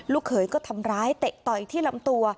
เขยก็ทำร้ายเตะต่อยที่ลำตัว